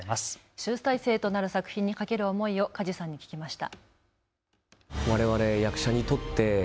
集大成となる作品にかける思いを梶さんに聞きました。